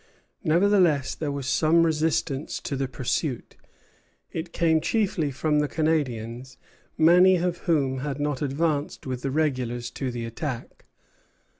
Nevertheless there was some resistance to the pursuit. It came chiefly from the Canadians, many of whom had not advanced with the regulars to the attack.